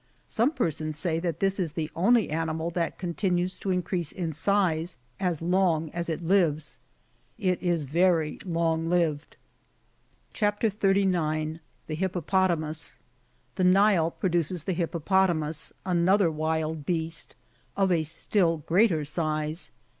^^ Some persons say, that this is the only animal that continues to increase in size as long as it lives ; it is very long lived. CHAP. 39. THE HirrOPOTAMTJS. The Mle produces the hippopotamus, another wild beast, of a still greater size.